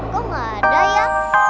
kok gak ada ya